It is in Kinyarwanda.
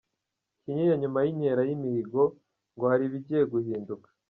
Kinyinya Nyuma y’inkera y’imihigo ngo hari ibigiye guhinduka